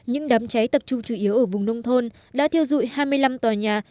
những đám cháy tập trung chủ yếu ở vùng nông thôn đã thiêu dụi hai mươi năm tòa nhà